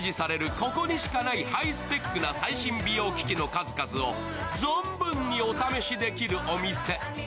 ここにしかないハイスペックな最新美容機器の数々を存分にお試しできるお店。